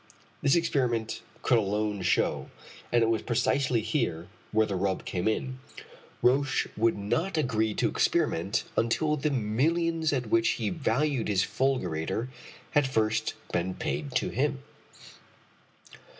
This, experiment could alone show, and it was precisely here where the rub came in. Roch would not agree to experiment until the millions at which he valued his fulgurator had first been paid to him.